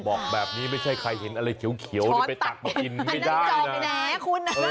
บอกแบบนี้ไม่ใช่ใครเห็นอะไรเขียวเลยไปตักมากินไม่ได้นะ